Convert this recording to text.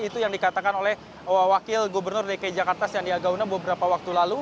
itu yang dikatakan oleh wakil gubernur dki jakarta sandiaga uno beberapa waktu lalu